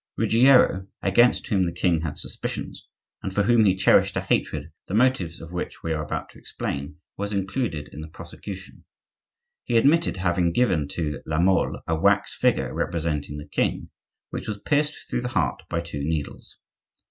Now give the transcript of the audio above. Ruggiero, against whom the king had suspicions, and for whom he cherished a hatred the motives of which we are about to explain, was included in the prosecution. He admitted having given to La Mole a wax figure representing the king, which was pierced through the heart by two needles.